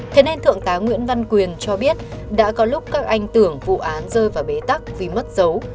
thế nên thượng tá nguyễn văn quyền cho biết đã có lúc các anh tưởng vụ án rơi vào bế tắc vì mất dấu